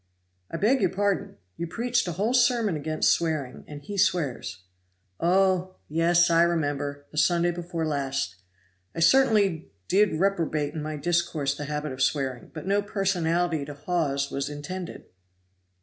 "I beg your pardon; you preached a whole sermon against swearing and he swears." "Oh yes! I remember the Sunday before last. I certainly did reprobate in my discourse the habit of swearing, but no personality to Hawes was intended."